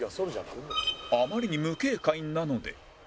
あまりに無警戒なので